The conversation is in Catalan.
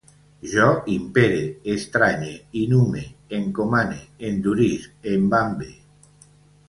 Jo impere, estranye, inhume, encomane, endurisc, embambe